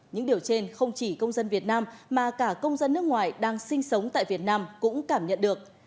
những điều trên không chỉ công dân việt nam mà cả công dân nước ngoài đang sinh sống tại việt nam cũng cảm nhận được